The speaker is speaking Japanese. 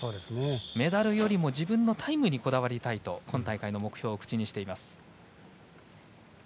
メダルよりも自分のタイムにこだわりたいと今大会の目標を口にしています。